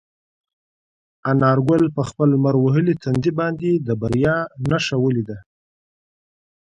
انارګل په خپل لمر وهلي تندي باندې د بریا نښه ولیده.